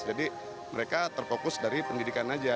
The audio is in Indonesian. jadi mereka terfokus dari pendidikan saja